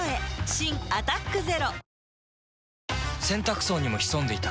新「アタックＺＥＲＯ」洗濯槽にも潜んでいた。